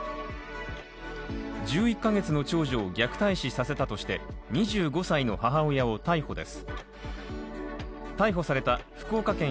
１１カ月の長女を虐待死させたとして２５歳の母親を逮捕です。